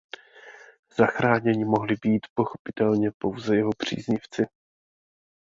Zachráněni mohli být pochopitelně pouze jeho příznivci.